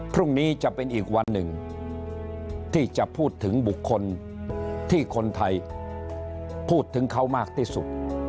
พรุ่งนี้จะเป็นอีกวันหนึ่งที่จะพูดถึงบุคคลที่คนไทยพูดถึงเขามากที่สุด